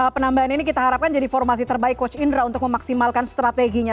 penambahan ini kita harapkan jadi formasi terbaik coach indra untuk memaksimalkan strateginya